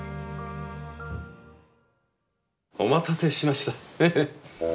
お待たせしました。